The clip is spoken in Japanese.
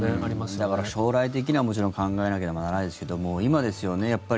だから将来的にはもちろん考えなければならないですけども今ですよね、やっぱり。